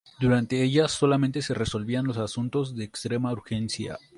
Durante ellas solamente se resolvían los asuntos de extrema urgencia.